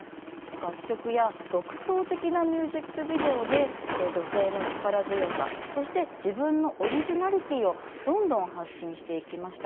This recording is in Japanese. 楽曲や独創的なミュージックビデオで女性の力強さそして自分のオリジナリティーをどんどん発信していきました。